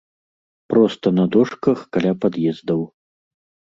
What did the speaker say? Проста на дошках каля пад'ездаў.